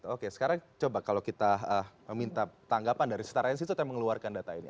oke sekarang coba kalau kita meminta tanggapan dari setara institut yang mengeluarkan data ini